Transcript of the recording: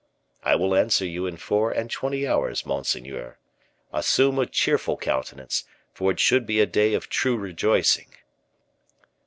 "I will answer you in four and twenty hours, monseigneur. Assume a cheerful countenance, for it should be a day of true rejoicing."